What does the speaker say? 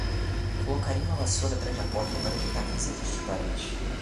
Colocarei uma vassoura atrás da porta para evitar visitas dos parentes